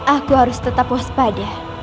aku harus tetap waspada